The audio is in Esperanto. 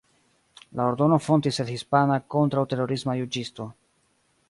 La ordono fontis el hispana kontraŭterorisma juĝisto.